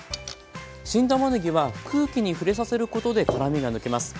新たまねぎは空気に触れさせることで辛みが抜けます。